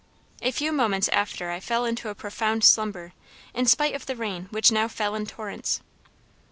A few moments after I fell into a profound slumber, in spite of the rain which now fell in torrents.